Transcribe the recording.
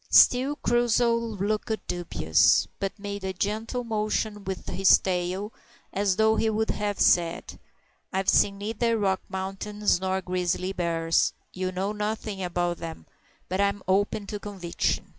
Still Crusoe looked dubious, but made a gentle motion with his tail, as though he would have said, "I've seen neither Rocky Mountains nor grizzly bars, and know nothin' about 'em, but I'm open to conviction."